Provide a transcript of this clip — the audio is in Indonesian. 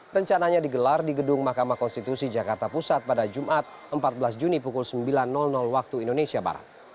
rencananya digelar di gedung mahkamah konstitusi jakarta pusat pada jumat empat belas juni pukul sembilan waktu indonesia barat